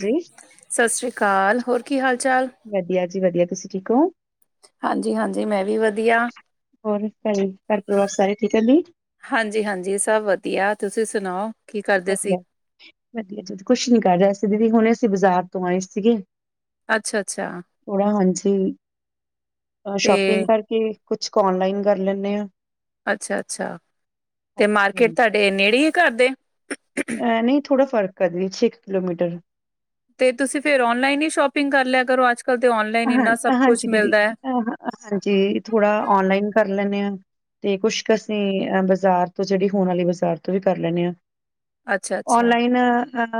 ਜੀ ਸਤਿ ਸ਼੍ਰੀ ਅਕਾਲ ਹੋਰ ਕੀ ਹਾਲ- ਚਾਲ? ਵਧੀਆ ਜੀ ਵਧੀਆ ਤੁਸੀਂ ਠੀਕ ਹੋ। ਹਾਂਜੀ ਹਾਂਜੀ ਮੈਂ ਵੀ ਵਧੀਆ। ਹੋਰ ਘਰ ਪਰਿਵਾਰ ਸਾਰੇ ਠੀਕ ਹੈ ਜੀ। ਹਾਂਜੀ -ਹਾਂਜੀ ਸਭ ਵਧੀਆ ਤੁਸੀਂ ਸੁਣਾਓ? ਕੀ ਕਰਦੇ ਸੀ? ਵਧਿਆ ਵਧੀਆ ਕੁਛ ਨੀ ਕਰ ਰਿਹਾ ਸੀ ਦੀਦੀ ਹੁਣੇ ਅਸੀਂ ਬਾਜ਼ਾਰ ਤੋਂ ਆਏ ਸੀਗੇ। ਅੱਛਾ ਅੱਛਾ ਥੋੜਾ ਹਾਂਜੀ ਅਹ ਸ਼ੋਪਿੰਗ ਤੇ ਕਰਕੇ। ਕੇ ਕੁਛ ਕੁ ਔਨਲਾਈਨ ਕਰ ਲੈਂਦੇ ਹਾਂ। ਅੱਛਾ -ਅੱਛਾ ਤੇ ਹਾਂਜੀ ਮਾਰਕੀਟ ਹਾਂਜੀ ਤੁਹਾਡੇ ਨੇੜੇ ਹੈ ਘਰ ਦੇ। ਮੈਂ ਨਹੀਂ ਥੋੜਾ ਫਰਕ ਕਰਦੇ ਵਿੱਚ ਛੇ ਕੁ ਕਿਲੋਮੀਟਰ। ਤੇ ਤੁਸੀਂ ਫਿਰ ਔਨਲਾਈਨ ਹੀ ਸ਼ੋਪਿੰਗ ਕਰ ਲਿਆ ਕਰੋ ਅੱਜ ਕਲ ਤੇ ਔਨਲਾਈਨ ਇੰਨਾ ਸਭ ਕੁਛ ਮਿਲਦਾ ਹੈ। ਅਸਲ ਜੀ ਥੋੜਾ ਔਨਲਾਈਨ ਕਰ ਲੈਂਦੇ ਹਾਂ। ਤੇ ਕੁਛ ਕੁ ਅਸੀਂ ਬਾਜ਼ਾਰ ਤੋਂ ਜਿਹੜੀ ਹੁਣ ਵਾਲੀ ਬਾਜ਼ਾਰ ਤੋਂ ਵੀ ਕਰ ਲੈਂਦੇ ਹਾਂ। ਅੱਛਾ ਅੱਛਾ ਔਨਲਾਈਨ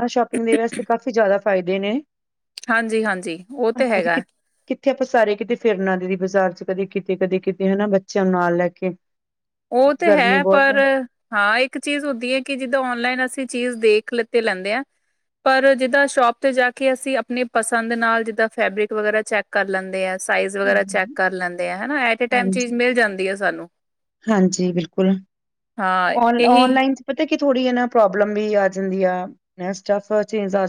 ਸ਼ੋਪਿੰਗ ਦੇ ਵਿਅਸਤ ਕਾਫੀ ਜ਼ਿਆਦਾ ਫਾਇਦੇ ਨੇ। ਹਾਂਜੀ -ਹਾਂਜੀ ਉਹ ਤੇ ਹਾਂਜੀ ਕਿ ਹੈਗਾ। ਕਿੱਥੇ ਆਪਾਂ ਸਾਰੇ ਕਿਤੇ ਫਿਰਨਾ ਦੀਦੀ ਬਾਜ਼ਾਰ ਚ ਕਦੇ ਕਿਤੇ ਕਦੇ ਕਿਤੇ ਹਨਾ ਬੱਚਿਆਂ ਨੂੰ ਨਾਲ ਲੈ ਕੇ। ਉਹ ਤੇ ਗਰਮੀ ਹੈ ਬਹੁਤ ਪਰ ਆ ਹਾਂ ਇੱਕ ਚੀਜ਼ ਹੁੰਦੀ ਹੈ ਕਿ ਜਿੱਦਾਂ ਔਨਲਾਈਨ ਅਸੀਂ ਚੀਜ਼ ਦੇਖ ਲਤੇ ਲੈਂਦੇ ਹਾਂ। ਪਰ ਜਿੱਦਾਂ ਸ਼ੋਪ ਤੇ ਜਾ ਕੇ ਅਸੀਂ ਆਪਣੇ ਪਸੰਦ ਨਾਲ ਜਿੱਦਾਂ ਫੈਬਰਿਕ ਵਗੈਰਾ ਚੈੱਕ ਕਰ ਲੈਂਦੇ ਆ। ਸਾਈਜ਼ ਵਗੈਰਾ ਚੈੱਕ ਕਰ ਲੈਂਦੇ ਐਟ ਟਾਈਮ ਹਾਂਜੀ ਚੀਜ਼ ਮਿਲ ਜਾਂਦੀ ਹੈ ਸਾਨੂੰ। ਹਾਂਜੀ ਬਿਲਕੁਲ ਹਾਂ ਇਹੀ ਔਨਲਾਈਨ। ਪਤਾ ਕੀ ਥੋੜੀ ਪ੍ਰੋਬਲਮ ਵੀ ਆ ਜਾਂਦੀ ਆ। ਸਟਫ ਚੇ ਜਾਂ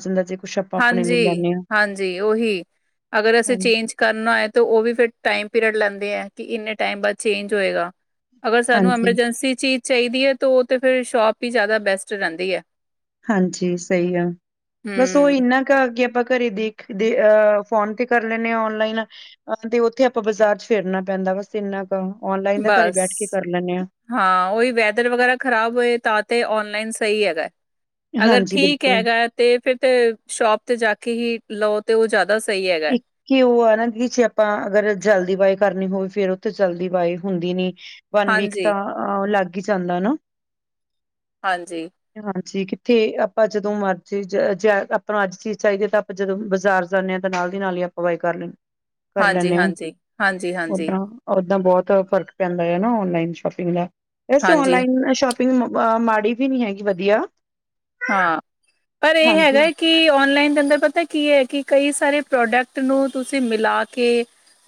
ਹਾਂਜੀ- ਹਾਂਜੀ ਉਹੀ ਅਗਰ ਅਸੀਂ ਹਾਂਜੀ ਚੇਂਜ ਕਰਨਾ ਏ ਤੇ ਉਹ ਵੀ ਫਿਰ ਟਾਈਮ ਪੀਰੀਅਡ ਲੈਂਦੇ ਆ ਕਿ ਇੰਨੇ ਟਾਈਮ ਬਾਅਦ ਚੇਂਜ ਹੋਏਗਾ। ਅਗਰ ਸਾਨੂੰ ਹਾਂਜੀ ਐਮਰਜੈਂਸੀ ਚੀਜ਼ ਚਾਹੀਦੀ ਹੈ ਤਾਂ ਉਹ ਤਾਂ ਫਿਰ ਸ਼ੋਪ ਹੀ ਜ਼ਿਆਦਾ ਬੈਸਟ ਰਹਿੰਦੀ ਹੈ। ਹਾਂਜੀ ਸਹੀ ਗੱਲ ਬਸ ਉਹ ਹਮ ਇੰਨਾ ਕੇ ਆਪਾਂ ਘਰੇ ਦੇਖ ਦੇ ਅਹ ਫੋਨ ਤੇ ਕਰ ਲੈਂਦੇ ਹਾਂ ਔਨਲਾਈਨ। ਹਾਂ ਤੇ ਉੱਥੇ ਆਪਾਂ ਬਾਜ਼ਾਰ ਚ ਫੇਰਨਾ ਪੈਂਦਾ ਬਸ ਇੰਨਾ ਕੁ, ਔਨਲਾਈਨ ਦਾ ਘਰੇ ਬਸ ਬੈਠ ਕੇ ਕਰ ਲੈਂਦੇ ਹਾਂ। ਹਾਂ ਉਹੀ ਵੈਦਰ ਵਗੈਰਾ ਖ਼ਰਾਬ ਹੋਏ ਤਾਂ ਤੇ ਔਨਲਾਈਨ ਸਹੀ ਹੈਗਾ। ਅਗਰ ਹਾਂਜੀ ਠੀਕ ਬਿਲਕੁਲ ਹੈਗਾ। ਤੇ ਫਿਰ ਤੇ ਸ਼ੋਪ ਤੇ ਜਾ ਕੇ ਹੀ ਲਓ ਤੇ ਉਹ ਜ਼ਿਆਦਾ ਸਹੀ ਹੈਗਾ। ਕਿ ਉਹ ਆ ਨਾ ਜੇ ਆਪਾਂ ਅਗਰ ਜਲਦੀ ਬਾਈਕ ਕਰਨੀ ਹੋਵੇ ਫਿਰ ਉਹ ਤੇ ਜਲਦੀ ਬਾਈਕ ਹੁੰਦੀ ਨੀ। ਵਨ ਵੀਕ ਹਾਂਜੀ, ਤਾਂ ਲੱਗ ਹੀ ਜਾਂਦਾ ਨਾ ਹਾਂਜੀ। ਹਾਂਜੀ ਕਿੱਥੇ ਆਪਾਂ ਜਦੋਂ ਮਰਜ਼ੀ ਆਪਾਂ ਨੂੰ ਅੱਜ ਚੀਜ਼ ਚਾਹੀਦੀ ਹੈ। ਤਾਂ ਆਪਾਂ ਜਦੋਂ ਬਾਜ਼ਾਰ ਜਾਂਦੇ ਹਾਂ। ਨਾਲ ਦੀ ਨਾਲ ਹੀ ਆਪਾਂ ਵਾਈ ਕਰ ਹਾਂਜੀ, ਲੈਂਦੇ ਹਾਂ ਹਾਂਜੀ, ਹਾਂਜੀ, ਹਾਂਜੀ, ਉਦਾਂ। ਉਦਾਂ ਬਹੁਤ ਫਰਕ ਪੈਂਦਾ ਹੈ ਨਾ ਔਨਲਾਈਨ ਸ਼ੋਪਿੰਗ ਦਾ ਵੈਸੇ ਹਾਂਜੀ, ਔਨਲਾਈਨ ਸ਼ ਫਿਰ ਮਾੜੀ ਵੀ ਨੀ ਹੈਗੀ ਵਧੀਆ। ਹਾਂ ਪਰ ਇਹ ਹਾਂਜੀ ਹੈਗਾ ਕੀ ਔਨਲਾਈਨ ਦੇ ਅੰਦਰ ਪਤਾ ਕੀ ਹੈ ਕਿ ਕਈ ਸਾਰੇ ਪ੍ਰੋਡਕਟ ਨੂੰ ਤੁਸੀਂ ਮਿਲਾ ਕੇ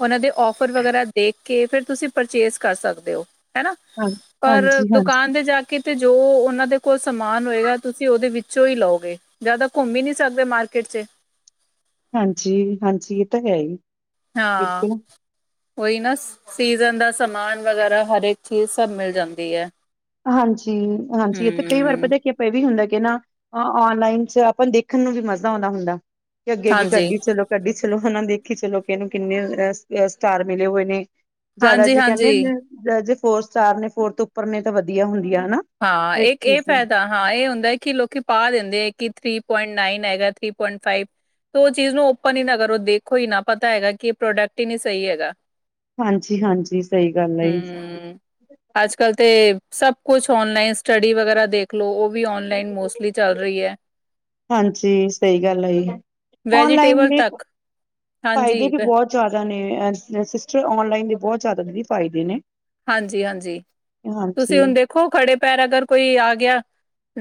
ਉਹਨਾਂ ਦੇ ਓਫਰ ਵਗੈਰਾ ਦੇਖ ਕੇ ਫਿਰ ਤੁਸੀ ਪਰਚੇਸ ਕਰ ਸਕਦੇ ਹੋ ਹਨਾ? ਹਾਂ ਪਰ ਹਾਂਜੀ ਹਾਂਜੀ ਦੁਕਾਨ ਤੇ ਜਾ ਕੇ ਤੇ ਜੋ ਉਹਨਾਂ ਦੇ ਕੋਲ ਸਮਾਨ ਹੋਏਗਾ ਤੁਸੀਂ ਉਹਦੇ ਵਿੱਚੋਂ ਹੀ ਲਓਗੇ ਜਿਆਦਾ ਘੁੰਮ ਹੀ ਨਹੀਂ ਸਕਦੇ ਮਾਰਕੀਟ ਚ, ਹਾਂਜੀ-ਹਾਂਜੀ ਇਹ ਤਾਂ ਹੈ ਹੀ ਹਾਂ। ਬਿਲਕੁਲ। ਉਹੀ ਨਾ ਸੀਜ਼ਨ ਦਾ ਸਮਾਨ ਵਗੈਰਾ ਹਰਕ ਚੀਜ਼ ਸਭ ਮਿਲ ਜਾਂਦੀ ਹੈ। ਹਾਂਜੀ-ਹਾਂਜੀ, ਇੱਥੇ ਕਈ ਵਾਰ ਹਮ ਪਤਾ ਕੀ ਇਹ ਵੀ ਹੁੰਦਾ ਕਿ ਨਾ, ਆਨਲਾਈਨ ਚ ਆਪਾਂ ਦੇਖਣ ਨੂੰ ਵੀ ਮਜ਼ਾ ਆਉਂਦਾ ਹੁੰਦਾ। ਤੇ ਅੱਗੇ-ਅੱਗੇ ਹਾਂਜੀ ਕੱਢੀ ਚਲੋ। ਕੱਢੀ ਚਲੋ ਹਨਾ ਦੇਖੀ ਚਲੋ ਕਿ ਇਹਨੂੰ ਕਿੰਨੇ ਅ ਸਟਾਰ ਮਿਲੇ ਹੋਏ ਨੇ। ਜ਼ਿਆਦਾ ਹਾਂਜੀ ਜੇ ਹਾਂਜੀ ਕਹਿੰਦੇ ਜੇ ਫੋਰ ਸਟਾਰ ਨੇ ਫੋਰ ਉੱਪਰ ਨੇ ਤਾਂ ਵਧੀਆ ਹੁੰਦੀਆਂ ਹਨਾ ਹਾਂ, ਹਰੇਕ ਇੱਕ ਇਹ ਚੀਜ਼ ਦਾ ਫ਼ਾਇਦਾ ਹਾਂ, ਇਹ ਹੁੰਦਾ ਹੈ ਕਿ ਲੋਕੀ ਪਾ ਦਿੰਦੇ ਹੈ ਕਿ ਥਰੀ ਪੁਆਇੰਟ ਨਾਈਨ ਹੈਗਾ ਥਰੀ ਪੁਇੰਟ ਫਾਈਵ। ਤੇ ਉਹ ਚੀਜ਼ ਨੂੰ ਓਪਨ ਹੀ ਨਾ ਕਰ ਉਹ ਦੇਖੋ ਹੀ ਨਾ ਪਤਾ ਹੈਗਾ ਕਿ ਇਹ ਪ੍ਰੋਡਕਟ ਹੀ ਨਹੀਂ ਸਹੀ ਹੈਗਾ। ਹਾਂਜੀ-ਹਾਂਜੀ, ਸਹੀ ਗੱਲ ਜੀ। ਹਮ ਅੱਜ ਕੱਲ੍ਹ ਤੇ, ਸਭ ਕੁਛ ਆਨਲਾਈਨ ਸਟੱਡੀ ਵਗੈਰਾ ਦੇਖ ਖਲੋ ਉਹ, ਵੀ ਆਨਲਾਈਨ ਮੋਸਟਲੀ ਚੱਲ ਰਹੀ ਹੈ। ਹਾਂਜੀ, ਸਹੀ ਗੱਲ ਹੈ ਜੀ, ਆਨਲਾਈਨ ਵੈਜੀਟੇਬਲ ਵੀ ਤੱਕ ਇਹ ਹਾਂਜੀ। ਵੀ ਬਹੁਤ ਜ਼ਿਆਦਾ ਨੇ ਸਿਸਟਰ ਆਨਲਾਈਨ ਦੇ ਬਹੁਤ ਜ਼ਿਆਦਾ ਫਾਇਦੇ ਨੇ ਹਾਂਜੀ-ਹਾਂਜੀ, ਤੁਸੀਂ ਹਾਂਜੀ, ਹੁਣ ਦੇਖੋ ਖੜੇ ਪੈਰ ਅਗਰ ਕੋਈ ਆ ਗਿਆ।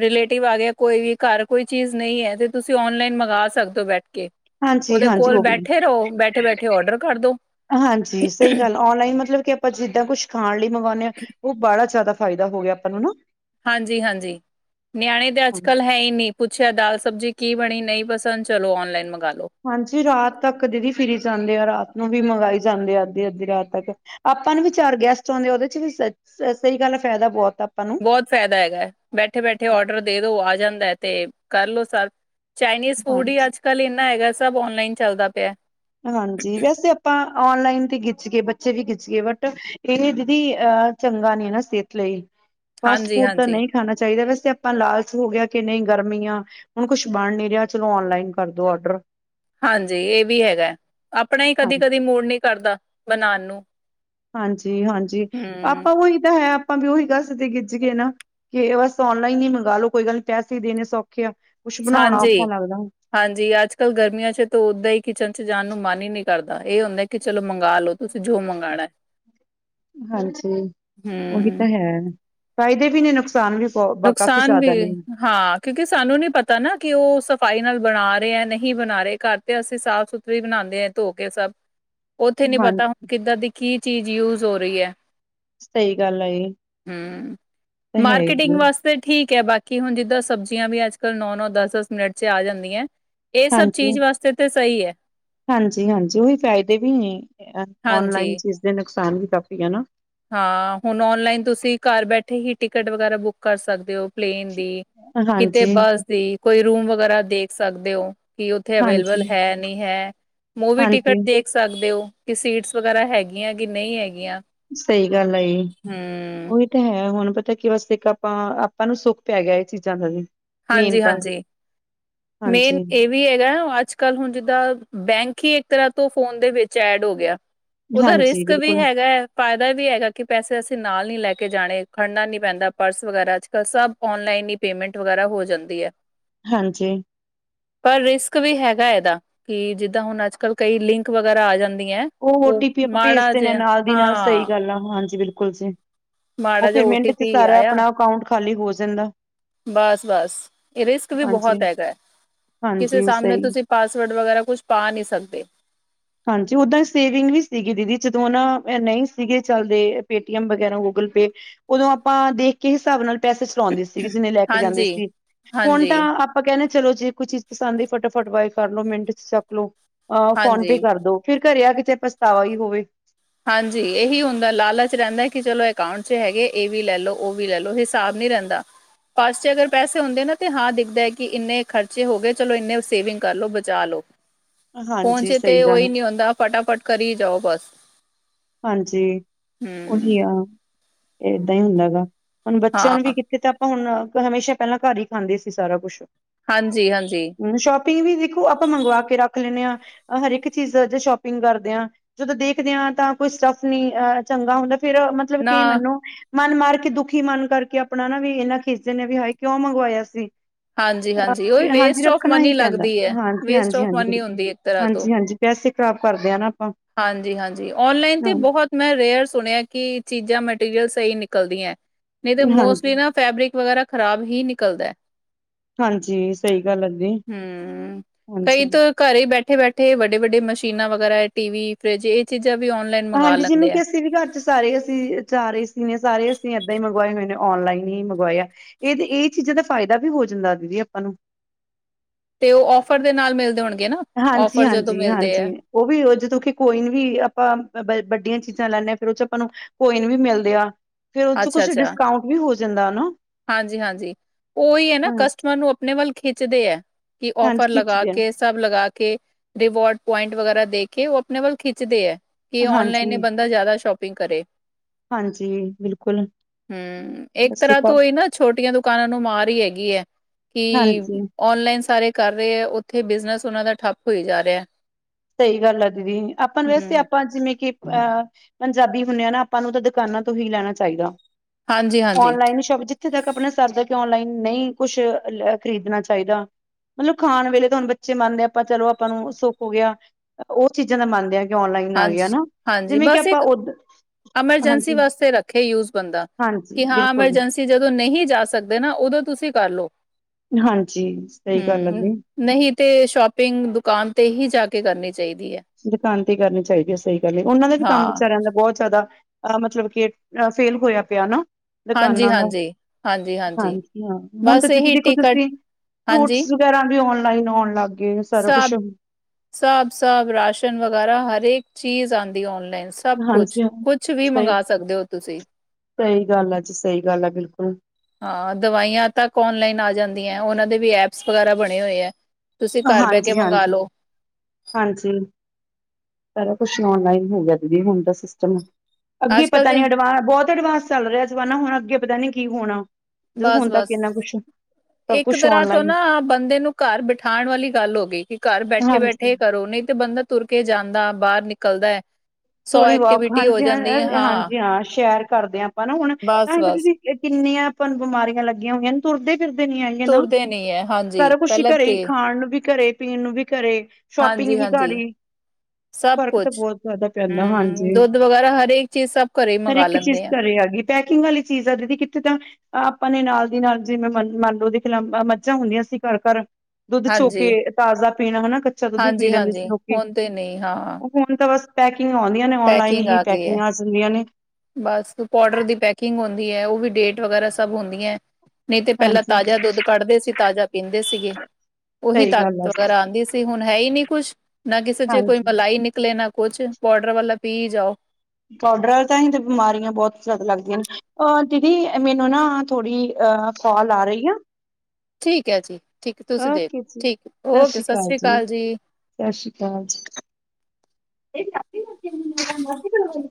ਰਿਲੇਟਿਵ ਆ ਗਿਆ ਕੋਈ ਵੀ ਘਰ ਕੋਈ ਚੀਜ਼ ਨਹੀਂ ਹੈ ਤੇ ਤੁਸੀਂ ਆਨਲਾਈਨ ਮੰਗਵਾ ਸਕਦੇ ਹੋ ਬੈਠ ਕੇ ਉਹਦੇ ਹਾਂਜੀ-ਹਾਂਜੀ ਕੋਲ ਉਹ ਵੀ ਬੈਠੇ ਰਹੋ ਬੈਠੇ ਬੈਠੇ ਔਡਰ ਕਰਦੋ। ਆਨਲਾਈਨ ਮਤਲਬ ਕਿ ਆਪਾਂ ਜਿੱਦਾਂ ਕੁਛ ਖਾਣ ਲਈ ਮੰਗਵਾਉਂਦੇ ਹਾਂ, ਉਹ ਬੜਾ ਜ਼ਿਆਦਾ ਫਾਇਦਾ ਹੋ ਗਿਆ ਆਪਾਂ ਨੂੰ ਨਾ ਹਾਂਜੀ-ਹਾਂਜੀ, ਨਿਆਣੇ ਤਾਂ ਅੱਜ ਕੱਲ੍ਹ ਹੈ ਹੀ ਨਹੀਂ। ਪੁੱਛਿਆ ਦਾਲ ਸਬਜ਼ੀ ਕੀ ਬਣੀ ਨਹੀਂ ਪਸੰਦ ਚਲੋ ਆਨਲਾਈਨ ਮੰਗਾ ਲੋ। ਹਾਂਜੀ, ਰਾਤ ਤੱਕ ਦੀਦੀ ਫਿਰੀ ਜਾਂਦੇ ਆ ਰਾਤ ਨੂੰ ਵੀ ਮੰਗਵਾਈ ਜਾਂਦੇ ਆ ਅੱਧੀ ਅੱਧੀ ਰਾਤ ਤੱਕ। ਆਪਾਂ ਨੂੰ ਵੀ ਚਾਰ ਗੈਸਟ ਆਉਂਦੇ ਆ ਉਹਦੇ ਚ ਵੀ ਸਹੀ ਗੱਲ ਹੈ ਫਾਇਦਾ ਬਹੁਤ ਆਪਾਂ ਨੂੰ। ਬਹੁਤ ਫਾਇਦਾ ਹੈਗਾ, ਬੈਠੇ ਬੈਠੇ ਔਡਰ ਦੇ ਦੋ ਆ ਜਾਂਦਾ ਤੇ ਕਰਲੋ ਸਰ ਚਾਈਨੀਜ਼ ਫੂਡ ਹੀ ਹਾਂਜੀ ਅੱਜ ਕੱਲ੍ਹ ਇਨਾ ਹੈਗਾ ਸਭ ਆਨਲਾਈਨ ਚੱਲਦਾ ਪਿਆ ਹਾਂਜੀ ਵੈਸੇ ਆਪਾਂ, ਆਨਲਾਈਨ ਤੇ ਖਿੱਚ ਗਏ ਬੱਚੇ ਵੀ ਖਿੱਚ ਗਏ ਬਟ ਇਹ ਦੀਦੀ ਅਹ ਚੰਗਾ ਨੀ ਹੈ ਨਾ ਸਿਹਤ ਲਈ ਫਾਸਟ ਹਾਂਜੀ ਫੂਡ ਤਾਂ ਹਾਂਜੀ ਨਹੀਂ ਖਾਣਾ ਚਾਹੀਦਾ ਵੈਸੇ ਆਪਾਂ ਲਾਲਚ ਹੋ ਗਿਆ ਕਿ ਨਹੀਂ ਗਰਮੀਆਂ ਹੁਣ ਕੁਛ ਬਣ ਨੀ ਰਿਹਾ ਚਲੋ ਆਨਲਾਈਨ ਕਰਦੋ ਔਡਰ, ਹਾਂਜੀ, ਇਹ ਵੀ ਹੈਗਾ ਆਪਣਾ ਹੀ ਕਦੀ ਹਾਂਜੀ ਕਦੀ ਮੂੜ ਨੀ ਕਰਦਾ ਬਣਾਉਣ ਨੂੰ, ਹਾਂਜੀ-ਹਾਂਜੀ, ਹਮ ਆਪਾਂ ਉਹੀ ਤਾਂ ਹੈ ਆਪਾਂ ਵੀ ਉਹੀ ਗ ਤੇ ਗਿੱਜ ਗਏ ਨਾ ਕਿ ਬਸ ਆਨਲਾਈਨ ਹੀ ਮੰਗਵਾ ਲੋ ਕੋਈ ਗੱਲ ਨ ਪੈਸੇ ਦੇਣੇ ਸੌਖੇ ਆ। ਬਣਾਉਣਾ ਔਖਾ ਸਾਂਝੇ, ਲੱਗਦਾ ਹਾਂਜੀ, ਅੱਜ ਕੱਲ੍ਹ ਗਰਮੀਆਂ ਚ ਤਾਂ ਓਦਾਂ ਹੀ ਕਿਚਨ ਚ ਜਾਣ ਨੂੰ ਮਨ ਹੀ ਨਹੀਂ ਕਰਦਾ, ਇਹ ਹੁੰਦਾ, ਕਿ, ਚਲੋ ਮੰਗਵਾ ਲੋ ਤੁਸੀਂ ਜੋ ਮੰਗਾਵਾਉਣਾ। ਹਾਂਜੀ, ਉਹੀ ਹੂੰ, ਤਾਂ ਹੈ, ਫਾਇਦੇ ਵੀ ਨੇ ਨੁਕਸਾਨ ਵੀ [unintelligible] ਕਾਫ਼ੀ ਨੁਕਸਾਨ ਵੀ ਜ਼ਿਆਦਾ ਨੇ। ਹਾਂ, ਕਿਉਂਕਿ ਸਾਨੂੰ ਨੀ ਪਤਾ ਨਾ ਕਿ ਉਹ ਸਫ਼ਾਈ ਨਾਲ ਬਣਾ ਰਹੇ ਹੈ ਨਹੀਂ ਬਣਾ ਰਹੇ ਘਰ ਤੇ ਅਸੀਂ ਸਾਫ਼ ਸੁਥ ਥਰੇ ਵੀ ਬਣਾਉਂਦੇ ਹੈ ਧੋ ਕੇ ਸਭ। [inaudible] ਉੱਥੇ ਨੀ ਪਤਾ ਹੁਣ ਹਾਂਜੀ। ਕਿੱਦਾਂ ਦੀ ਕੀ ਚੀਜ਼ ਯੂਜ ਹੋ ਰਹੀ ਹੈ। ਸਹੀ ਗੱਲ ਆ ਇਹ ਹਮ, ਤਾਂ ਹੈ ਹੀ ਮਾਰਕੀਟਿੰਗ ਜੀ। ਵਾਸਤੇ। ਤੇ ਠੀਕ ਹੈ, ਬਾਕੀ ਹੁਣ ਜਿੱਦਾਂ ਸਬਜ਼ੀਆਂ ਵੀ ਅੱਜ ਕੱਲ੍ਹ ਨੌ ਨੌ ਦਸ ਦਸ ਮਿੰਟ ਚ ਆ ਜਾਂਦੀਆਂ। ਇਹ ਸਭ ਹਾਂਜੀ। ਚੀਜ਼ ਵਾਸਤੇ ਤੇ ਸਹੀ ਹੈ। ਹਾਂਜੀ-ਹਾਂਜੀ, ਉਹੀ ਫਾਇਦੇ ਵੀ ਨੇ ਹਾਂਜੀ। ਆਨਲਾਈਨ ਚੀਜ਼ ਦੇ ਨੁਕਸਾਨ ਵੀ ਕਾਫ਼ੀ ਹੈ ਨਾ। ਹਾਂ ਹੁਣ ਆਨਲਾਈਨ ਤੁਸੀਂ ਘਰ ਬੈਠੇ ਹੀ ਟਿਕਟ ਵਗੈਰਾ ਬੁੱਕ ਕਰ ਸਕਦੇ ਹੋ। ਪਲੇਨ ਦੀ ਕਿਤੇ ਹਾਂਜੀ-ਹਾਂਜੀ-ਹਾਂਜੀ ਬੱਸ ਦੀ ਕੋਈ ਰੂਮ ਵਗੈਰਾ ਦੇਖ ਸਕਦੇ ਹੋ। ਕਿ ਉੱਥੇ ਅਵੇਲੇਬਲ ਹੈ ਨਹੀਂ ਹੈ, ਮੂਵੀ ਟਿਕਟ ਦੇਖ ਦੇ ਸਕਦੇ ਹੋ, ਕਿ ਸੀਟਸ ਵਗੈਰਾ ਹੈਗੀਆਂ ਕਿ ਨਹੀਂ ਹੈਗੀਆਂ। ਸਹੀ ਗੱਲ ਆ ਜੀ, ਹਮ ਉਹੀ, ਹੈ ਹੁਣ ਪਤਾ ਕੀ ਬਸ ਇੱਕ ਆਪਾਂ ਆਪਾਂ ਨੂੰ ਸੁੱਖ ਪੈ ਗਿਆ ਇਹ ਚੀਜ਼ਾਂ ਦਾ ਵੀ। ਮੇਨ ਹਾਂਜੀ ਤਾਂ ਹਾਂਜੀ ਹਾਂਜੀ, ਮੇਨ ਇਹ ਵੀ ਵੀ ਹੈਗਾ ਅੱਜ ਕੱਲ ਹੁਣ ਜਿੱਦਾਂ ਬੈਂਕ ਹੀ ਇੱਕ ਤਰ੍ਹਾਂ ਤੋਂ ਫੋਨ ਦੇ ਵਿੱਚ ਐਡ ਹੋ ਗਿਆ ਉਹਦਾ ਹਾਂਜੀ ਰਿਸਕ ਵੀ ਬਿਲਕੁਲ ਹੈਗਾ ਹੈ ਫਾਇਦਾ ਵੀ ਹੈਗਾ ਕਿ ਪੈਸੇ ਅਸੀਂ ਨਾਲ ਨ ਲੈ ਕੇ ਜਾਣੇ ਖੜਨਾ ਨੀ ਪੈਂਦਾ ਪਰਸ ਵਗੈਰਾ ਚ ਸ ਨਲਾਈਨ ਹੀ ਪੇਮੈਂਟ ਵਗੈਰਾ ਹੋ ਜਾਂਦੀ ਹੈ ਹਾਂਜੀ ਪਰ ਰਿਸਕ ਵੀ ਹੈਗਾ ਇਹਦਾ ਕਿ ਜਿੱਦਾਂ ਹੁਣ ਅੱਜ ਕਲ ਕਈ ਲਿੰਕ ਵਗੈਰਾ ਆ ਜਾਂਦੀਆਂ ਹੈ ਉਹ ਓ ਟੀ ਪੀ ਆਪਾਂ ਮਾੜਾ ਭੇਜਦੇ ਨੇ ਹਾਂ ਜਿਹਾ ਨਾਲ ਦੀ ਨਾਲ ਸਹੀ ਹਾਂ ਗੱਲ ਆ ਹਾਂਜੀ ਬਿਲਕੁਲ ਜੀ ਉਹ ਮਾੜਾ ਜਿਹਾ ਫਿਰ ਓ ਮਿੰਟ ਟੀ ਚ ਪੀ ਸਾਰਾ ਆਇਆ ਆਪਣਾ ਅਕਾਊਂਟ ਖਾਲੀ ਹੋ ਜਾਂਦਾ ਬਸ ਬਸ ਇਹ ਰਿਸਕ ਵੀ ਹਾਂਜੀ, ਬਹੁਤ ਹੈਗਾ ਕਿਸੇ ਹਾਂਜੀ ਸਾਹਮਣੇ ਸਹੀ ਤੁਸੀਂ ਪਾਸਵਰਡ ਵਗੈਰਾ ਕੁਛ ਪਾ ਨਹੀਂ ਸਕਦੇ ਹਾਂਜੀ ਉਓਦਾਂ ਸੇਵਿੰਗ ਵੀ ਸੀਗੀ ਦੀਦੀ ਜਦੋਂ ਉਹਨਾਂ ਨਹੀਂ ਸੀਗੇ ਚੱਲਦੇ ਪੇਟੀਐਮ ਵਗੈਰਾ ਗੂਗਲ ਪੇ ਉਦੋਂ ਆਪਾਂ ਦੇਖ ਕੇ ਹਿਸਾਬ ਨਾਲ ਪੈਸੇ ਚਲਾਉਂਦੇ ਸੀਗੇ ਜਿਨੇ ਲੈ ਕੇ ਜਾਂਦੇ ਹਾਂਜੀ ਸੀ ਹੁਣ ਤਾਂ ਹਾਂਜੀ ਆਪਾਂ ਕਹਿੰਦੇ ਚਲੋ ਜੇ ਕੋਈ ਚੀਜ਼ ਪਸੰਦ ਫਟਾਫਟ ਬਾਏ ਕਰ ਲੋ ਮਿੰਟ ਚੱਕ ਲੋ ਅਹ ਫੋਨ ਪੇ ਹਾਂਜੀ ਕਰ ਦੋ ਫਿਰ ਘਰੇ ਆ ਕਿ ਤੇ ਪਛਤਾਵਾ ਹੀ ਹੋਵੇ ਹਾਂਜੀ ਇਹੀ ਹੁੰਦਾ ਲਾਲਚ ਰਹਿੰਦਾ ਕਿ ਚਲੋ ਅਕਾਊਂਟ ਚ ਹੈਗੇ ਇਹ ਵੀ ਲੈ ਲੋ ਉਹ ਵੀ ਲੈ ਲਓ ਹਿਸਾਬ ਨਹੀਂ ਰਹਿੰਦਾ ਪਰਸ ਚ ਅਗਰ ਪੈਸੇ ਹੁੰਦੇ ਨਾ ਤੇ ਹਾਂ ਦਿਖਦਾ ਹੈ ਕਿ ਇੰਨੇ ਖਰਚੇ ਹੋ ਗਏ ਚਲੋ ਇੰਨੇ ਸੇਵਿੰਗ ਕਰ ਲੋ ਬਚਾ ਲ ਲੋ ਹਾਂਜੀ ਪਹੁੰਚੇ ਤੇ ਸਹੀ ਗੱਲ ਉਹੀ ਨਹੀਂ ਹੁੰਦਾ ਫਟਾਫਟ ਕਰੀ ਜਾਓ ਬਸ ਹਾਂਜੀ ਹਮ ਉਹੀ ਆ ਏਦਾਂ ਹੀ ਹੁੰਦਾ ਗਾ ਹੁਣ ਬੱਚਿਆਂ ਨੂੰ ਵੀ ਹਾਂ ਕਿੱਥੇ ਤਾਂ ਆਪਾਂ ਹੁਣ ਹਮੇਸ਼ਾ ਪਹਿਲਾਂ ਘਰ ਹੀ ਖਾਂਦੇ ਸੀ ਸਾਰਾ ਕੁਛ ਹਾਂਜੀ ਹਾਂਜੀ ਹ ਸ਼ੋਪਿੰਗ ਵੀ ਦੇਖੋ ਆਪਾਂ ਮੰਗਵਾ ਕੇ ਰੱਖ ਲੈਂਦੇ ਹਾਂ ਹਰਕ ਚੀਜ਼ ਜ ਸ਼ੋਪਿੰਗ ਕਰਦੇ ਹਾਂ ਜਦੋਂ ਦੇਖਦੇ ਹਾਂ ਤਾਂ ਕੋਈ ਸਟੱਫ ਨੀ ਅਹ ਚੰਗਾ ਹੁੰਦਾ ਫੇਿਰ ਮਤਲਬ ਨਾ ਕੀ ਮੈਨੂੰ ਮਨ ਮਾਰ ਕੇ ਦੁਖੀ ਮਨ ਕਰਕੇ ਆਪਣਾ ਨਾ ਵੀ ਇਹਨਾਂ ਕਿਸੇ ਨੇ ਵੀ ਹਾਏ ਕਿਉਂ ਮੰਗਵਾਇਆ ਸੀ ਹਾਂਜੀ ਹਾਂਜੀ ਉਹੀ ਅ ਹਾਂਜੀ ਵੇਸਟ ਆਫ ਰੱਖਣਾ ਹੀ ਮਨੀ ਪੈਂਦਾ ਲੱਗਦੀ ਹੈ ਹਾਂਜੀ ਵੇਸਟ ਹਾਂਜੀ ਆਫ ਹਾਂਜੀ ਮਨੀ ਹੁੰਦੀ ਇੱਕ ਤਰ੍ਹਾਂ ਤੋਂ ਹਾਂਜੀ ਹਾਂਜੀ ਪੈਸੇ ਖ਼ਰਾਬ ਕਰਦੇ ਆ ਨਾ ਆਪਾਂ ਹਾਂਜੀ ਹਾਂਜੀ ਔਨਲਾਈਨ ਤੇ ਹਾਂ ਬਹੁਤ ਮੈਂ ਰੇਅਰ ਸੁਣਿਆ ਕਿ ਚੀਜ਼ਾਂ ਮਟੀਰੀਅਲ ਸਹੀ ਨਿਕਲਦੀਆਂ ਨਹੀਂ ਤੇ ਮੋਸਟਲੀ ਹਾਂਜੀ। ਨਾ ਫੈਬਰਿਕ ਵਗੈਰਾ ਖਰਾਬ ਹੀ ਨਿਕਲਦਾ ਹਾਂਜੀ ਸਹੀ ਗੱਲ ਹੈ ਜੀ ਹੂੰ ਕਈ ਹਾਂਜੀ। ਤਾਂ ਘਰੇ ਹੀ ਬੈਠੇ ਬੈਠੇ ਵੱਡੇ ਵੱਡੇ ਮਸ਼ੀਨਾਂ ਵਗੈਰਾ ਹੈ ਟੀ ਵੀ ਫਰਿਜ ਇਹ ਚੀਜ਼ਾਂ ਵੀ ਔਨਲਾਈਨ ਮੰਗਾ ਲੈਂਦੇ ਆ ਤੁਸੀ ਵੀ ਘਰ ਚ ਸਾਰੇ ਅਸੀਂ ਜਾ ਰਹੇ ਸੀ ਨੇ ਸਾਰੇ ਅਸੀਂ ਏਦਾਂ ਹੀ ਮੰਗਵਾਏ ਹੋਏ ਨੇ ਔਨਲਾਈਨ ਹੀ ਮੰਗਵਾਏਆ ਇਹਦੇ ਇਹ ਚੀਜ਼ਾਂ ਦਾ ਫਾਇਦਾ ਵੀ ਹੋ ਜਾਂਦਾ ਦੀਦੀ ਆਪਾਂ ਨੂੰ ਤੇ ਉਹ ਆਫਰ ਦੇ ਨਾਲ ਮਿਲਦੇ ਹੋਣਗੇ ਨਾ ਹਾਂਜੀ ਔਫਰ ਜਦੋਂ ਹਾਂਜੀ ਮਿਲਦੇ ਹਾਂਜੀ ਆ ਉਹ ਵੀ ਜਦੋਂ ਕਿ ਕੋਈ ਵੀ ਆਪਾਂ ਵੱਡੀਆਂ ਚੀਜ਼ਾਂ ਲੈਂਦੇ ਹਾਂ ਫੇਰ ਉਹ ਚ ਆਪਾਂ ਨੂੰ ਕੋਈ ਨੀ ਮਿਲਦੇ ਆ। ਫੇਰ ਉਹ ਚ ਕੁਛ ਅੱਛਾ-ਅੱਛਾ ਡਿਸਕਾਊਂਟ ਵੀ ਹੋ ਜਾਂਦਾ ਨਾ ਹਾਂਜੀ-ਹਾਂਜੀ ਉਹੀ ਹੈ ਨਾ ਹਾਂ, ਕਸਟਮਰ ਨੂੰ। ਆਪਣੇ ਵੱਲ ਖਿੱਚਦੇ ਆ ਕਿ ਹਾਂਜੀ ਓਫਰ ਲਗਾ ਖਿੱਚਦੇ ਆ ਕੇ। ਸਬ ਲਗਾ ਕੇ, ਰਿਵਾਰਡ ਪੁਇੰਟ ਵਗੈਰਾ ਦੇ ਕੇ ਉਹ ਆਪਣੇ ਵੱਲ ਖਿਚਦੇ ਆ ਕਿ ਔਨਲਾਈਨ ਈ ਹਾਂਜੀ। ਬੰਦਾ ਜ਼ਿਆਦਾ ਸ਼ੋਪਿੰਗ ਕਰੇ। ਹਾਂਜੀ, ਬਿਲਕੁਲ। ਹੂੰ, ਸਤਿ ਇੱਕ ਸ਼੍ਰੀ ਤਰ੍ਹਾਂ ਅਕਾਲ ਤੋਂ ਹੀ ਨਾ ਛੋਟੀਆਂ ਦੁਕਾਨਾਂ ਨੂੰ ਮਾਰ ਈ ਹੈਗੀ ਹੈ ਕਿ। ਹਾਂਜੀ ਔਨਲਾਈਨ ਸਾਰੇ ਕਰ ਰਹੇ ਐ, ਉੱਥੇ ਬਿਜਨਸ ਉਹਨਾਂ ਦਾ ਠੱਪ ਹੋਈ ਜਾ ਰਿਹਾ। ਸਹੀ ਗੱਲ ਆ ਦੀਦੀ, ਆਪਾਂ ਵੈਸੇ ਹੂੰ, ਆਪਾਂ ਜਿਵੇਂ ਕਿ। ਅਹ, ਪੰਜਾਬੀ ਹੁੰਦੇ ਆ ਨਾ ਆਪਾਂ ਨੂੰ ਤਾਂ ਦੁਕਾਨਾਂ ਤੋਂ ਹੀ ਲੈਣਾ ਚਾਹੀਦਾ। ਹਾਂਜੀ-ਹਾਂਜੀ, ਹਾਂਜੀ। ਓਨਲਾਈਨ ਸਬ। ਇੱਥੇ ਤੱਕ ਆਪਣਾ ਸਰ ਦਾ ਓਨਲਾਈਨ ਨਹੀਂ ਕੁਛ ਖਰੀਦਣਾ ਚਾਹੀਦਾ। ਮਤਲਬ ਖਾਣ ਵੇਲੇ ਤਾਂ ਹੁਣ ਬੱਚੇ ਮੰਨਦੇ ਹਾਂ ਆਪਾਂ ਚਲੋ ਆਪਾਂ ਨੂੰ ਸੁੱਖ ਹੋ ਗਿਆ ਉਹ ਚੀਜ਼ਾਂ ਦਾ ਮੰਨਦੇ ਹਾਂ। ਔਨਲਾਈਨ ਆ ਗਿਆ ਹਾਂਜੀ, ਹਨਾ ਹਾਂਜੀ ਜਿਵੇਂ ਕਿ ਬਸ ਆਪਾਂ ਇੱਕ ਉਧ। ਐਮਰਜੈਂਸੀ ਵਾਸਤੇ ਰੱਖੇ ਯੂਜ ਬੰਦਾ ਕਿ ਹਾਂਜੀ ਹਾਂ ਬਿਲਕੁਲ ਐਮਰਜੈਂਸੀ। ਜਦੋਂ ਨਹੀਂ ਜਾ ਸਕਦੇ ਨਾ ਉਦੋਂ ਤੁਸੀਂ ਕਰਲੋ। ਹਾਂਜੀ, ਸਹੀ ਗੱਲ ਹੈ ਜੀ ਨਹੀਂ ਤੇ, ਸ਼ੋਪਿੰਗ ਦੁਕਾਨ ਤੇ ਹੀ ਜਾ ਕੇ ਕਰਨੀ ਚਾਹੀਦੀ ਏ। ਦੁਕਾਨ ਤੋਂ ਕਰਨੀ ਚਾਹੀਦੀ ਹੈ ਸਹੀ ਗੱਲ ਉਹਨਾਂ ਦਾ ਵੀ ਕੰਮ ਹਾਂ, ਵਿਚਾਰਿਆਂ ਦਾ ਬਹੁਤ ਜ਼ਿਆਦਾ। ਅ, ਮਤਲਬ ਕਿ ਫੇਲ ਹੋਇਆ ਪਿਆ ਨਾ। ਦੁਕਾਨਾਂ ਦਾ, ਹਾਂਜੀ-ਹਾਂਜੀ, ਹਾਂਜੀ-ਹਾਂਜੀ ਹਾਂਜੀ ਹਾਂ ਹੁਣ ਤਾਂ ਬਸ ਦੀਦੀ ਇਹੀ ਦੇਖੋ ਟਿਕਟ ਤੁਸੀਂ ਫਰੂਟਸ। ਰਾਂ ਵੀ ਔਨਲਾਈਨ ਆਉਣ ਲੱਗ। ਗਏ ਸਾਰਾ ਕੁਛ ਸਾਬ-ਸਾਬ ਰਾਸ਼ਨ ਵਗੈਰਾ ਹਰੇਕ ਚੀਜ਼ ਆਉਂਦੀ ਓਨਲਾਈਨ। ਸਭ ਕੁਛ, ਹਾਂਜੀ ਹਾਂ ਕੁਛ ਵੀ ਸਹੀ ਮੰਗਵਾ ਸਕਦੇ ਓ ਤੁਸੀ। ਸਹੀ ਗੱਲ ਏ ਜੀ ਸਹੀ ਗੱਲ ਏ ਬਿਲਕੁਲ। ਹਾਂ, ਦਵਾਈਆਂ ਤੱਕ ਓਨਲਾਈਨ ਆ ਜਾਂਦੀਆਂ ਉਹਨਾਂ ਦੇ ਵੀ ਐਪਸ ਵਗੈਰਾ ਬਣੇ ਹੋਏ ਐ। ਤੁਸੀਂ ਘਰ ਬਹਿ ਕੇ ਹਾਂਜੀ ਹਾਂਜੀ ਮੰਗਾਲੋ। ਹਾਂਜੀ, ਸਾਰਾ ਕੁਛ ਔਨਲਾਈਨ ਹੋ ਗਿਆ ਦੀਦੀ ਹੁਣ ਦਾ ਸਿਸਟਮ ਅੱਗੇ, ਅੱਜ-ਕੱਲ ਪਤਾ ਨੀ ਦੇ ਅਡਵਾਂ ਬਹੁਤ ਐਡਵਾਂਸ ਚੱਲ ਰਿਹਾ ਸਮਾਂ ਹੁਣ ਅੱਗੇ ਪਤਾ ਨੀ ਕੀ ਹੋਣਾ ਜਦੋਂ ਹੁਣ ਤੱਕ ਬਸ-ਬਸ, ਇੰਨਾ ਕੁਛ ਸਭ ਇੱਕ ਕੁਛ ਤਰ੍ਹਾਂ ਤੋਂ ਔਨਲਾਈਨ ਨਾ ਬੰਦੇ ਨੂੰ। ਘਰ ਬਿਠਾਣ ਵਾਲੀ ਗੱਲ ਹੋ ਗਈ ਕਿ ਘਰ ਬੈਠੇ ਹਾਂਜੀ ਬੈਠੇ ਕਰੋ ਨਹੀਂ ਤੇ ਬੰਦ। ਤੁਰ ਕੇ ਜਾਂਦਾ ਬਾਹਰ ਨਿਕਲਦਾ ਏ। ਥੋੜ੍ਹੀ ਬਹੁਤ ਹਾਂਜੀ ਹ ਹਾਂਜੀ ਹਾਂ ਸ਼ੇਰ ਕਰਦੇ ਹਾਂ ਆਪਾਂ ਨਾ ਹੁਣ ਤਾਂ। ਬਸ-ਬਸ ਇਹ ਕਿੰਨੀਆਂ ਆਪਾਂ ਨੂੰ ਬਿਮਾਰੀਆਂ ਲੱਗੀਆਂ ਹੋਈਆਂ ਨੇ ਤੁਰਦੇ। ਫਿਰਦੇ ਨੀ ਹੈਗੇ ਨਾ ਤੁਰਦੇ ਨੀ ਹੈ ਹਾਂਜੀ ਸਾਰਾ ਕੁਛ ਹੀ ਪਹਿਲਾਂ ਘਰੇ ਤੇ ਹੀ ਖਾਣ ਨੂੰ ਵੀ ਘਰੇ ਪੀਣ ਨੂੰ ਵੀ ਘਰੇ। ਸ਼ੋਪਿੰਗ ਵੀ ਹਾਂਜੀ-ਹਾਂਜੀ ਘਰੇ, ਸਭ ਫਰਕ ਤਾਂ ਕੁਛ ਬਹੁਤ ਜ਼ਿਆਦਾ। ਪੈਂਦਾ ਹੂੰ ਹਾਂਜੀ ਦੁੱਧ, ਵਗੈਰਾ ਹਰੇਕ ਚੀਜ਼ ਸਭ ਘਰੇ ਹੀ ਹਰ ਮੰਗਵਾ ਇੱਕ ਚੀਜ਼ ਲੈਂਦੇ ਆ। ਹੈਗੀ ਪੈਕਿੰਗ ਵਾਲੀ ਚੀਜ਼ ਆ ਦੀਦੀ ਕਿੱਥੇ ਤਾਂ। ਆਪਾਂ ਨੇ ਨਾਲ ਦੀ ਨਾਲ ਜਿਵੇਂ ਨ ਮੰਨ ਲਓ ਦੇਖ ਲਾ ਮੱਝਾਂ ਹੁੰਦੀਆਂ ਸੀ ਘਰ ਘਰ ਦੁੱਧ ਚੋ ਕੇ ਹਾਂਜੀ ਤਾਜ਼ਾ ਪੀਣਾ ਹਨਾ ਕੱਚਾ ਦੁੱਧ ਵੀ ਪੀ ਲੈਂਦੇ ਸੀ ਹਾਂਜੀ-ਹਾਂਜੀ ਲੋਕ ਹੁਣ ਤੇ ਨਹੀਂ ਹਾਂ ਫੁਨ ਤਾਂ ਬਸ ਪੈਕਿੰਗ ਆਉਂਦੀਆਂ ਨੇ ਔਨਲਾਈਨ ਪੈਕਿੰਗ ਹੀ ਆ ਗਈ ਹੈ ਪੈਕਿੰਗਾਂ ਆ ਜਾਂਦੀਆਂ ਨੇ। ਬਸ, ਪਾੋਡਰ ਦੀ ਪੈਕਿੰਗ ਹੁੰਦੀ ਹੈ ਉਹ ਵੀ ਡੇਟ ਵਗੈਰਾ ਸਭ ਹੁੰਦੀਆਂ ਐ ਨਹੀਂ ਤੇ, ਪਹਿਲਾਂ ਹਾਂਜੀ ਤਾਜ਼ਾ ਦੁੱਧ ਕੱਢਦੇ ਸੀ ਤਾਜ਼ਾ ਪੀਂਦੇ ਸੀਗੇ ਉਹੀ, ਸਹੀ ਗੱਲ ਤਾਕਤ ਆ ਵਗੈਰਾ ਆਉਂਦੀ ਸੀ ਹੁਣ ਹੈ ਹੀ ਨਹੀਂ ਕੁਝ ਨਾ, ਕਿਸੇ ਚ ਕੋਈ ਹਾਂਜੀ ਮਲਾਈ ਨਿਕਲੇ ਨਾ ਕੁਛ ਪੋਡਰ ਵਾਲਾ ਪੀ ਜਾਓ [unintelligible] ਤਾਂ ਹੀ ਤਾਂ ਬਿਮਾਰੀਆਂ ਬਹੁਤ ਜ਼ਿਆਦਾ ਲੱਗਦੀਆਂ ਨੇ ਅਹ ਦੀਦੀ ਮੈਨੂੰ ਨਾ ਥੋੜ੍ਹੀ ਅਹ ਕਾਲ ਆ ਰਹੀ ਆ ਠੀਕ ਹੈ, ਜੀ ਠੀਕ ਤੁਸੀਂ ਦੇਖ ਠੀਕ ਓਕੇ ਸਤਿ ਸ਼੍ਰੀ ਅਕਾਲ ਜੀ ਸਤਿ ਸ਼੍ਰੀ ਅਕਾਲ ਜ।